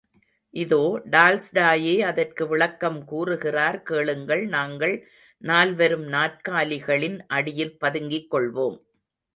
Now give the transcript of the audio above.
இதோ டால்ஸ்டாயே அதற்கு விளக்கம் கூறுகிறார் கேளுங்கள் நாங்கள் நால்வரும் நாற்காலிகளின் அடியில் பதுங்கிக் கொள்வோம்.